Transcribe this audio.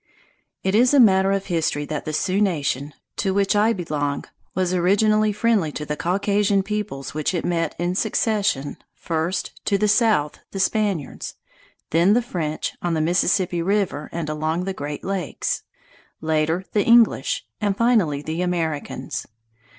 It is matter of history that the Sioux nation, to which I belong, was originally friendly to the Caucasian peoples which it met in succession first, to the south the Spaniards; then the French, on the Mississippi River and along the Great Lakes; later the English, and finally the Americans.